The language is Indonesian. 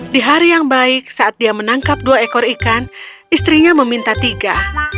di hari yang baik saat dia menangkap dua ekor ikan istrinya meminta tiga